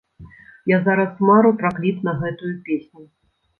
Я зараз мару пра кліп на гэтую песню.